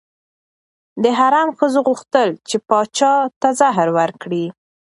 د حرم ښځو غوښتل چې پاچا ته زهر ورکړي.